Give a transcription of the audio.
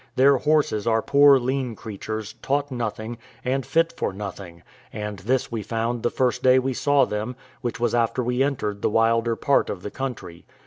Their horses are poor lean creatures, taught nothing, and fit for nothing; and this we found the first day we saw them, which was after we entered the wilder part of the country.